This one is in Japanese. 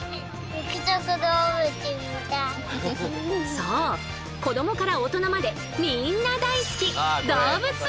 そう子どもから大人までみんな大好き！